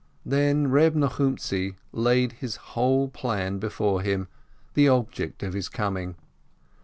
Then Reb Nochumtzi laid his whole plan before him, the object of his coming.